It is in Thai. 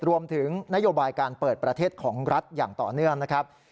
รวมถึงนโยบายการเปิดประเทศของรัฐอย่างต่อเนื่องนะครับ